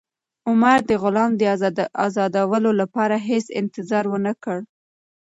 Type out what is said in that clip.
عمر د غلام د ازادولو لپاره هېڅ انتظار ونه کړ.